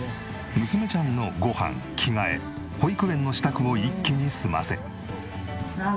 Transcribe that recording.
娘ちゃんのご飯着替え保育園の支度を一気に済ませ。